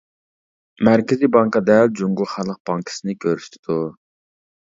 مەركىزى بانكا دەل جۇڭگو خەلق بانكىسىنى كۆرسىتىدۇ.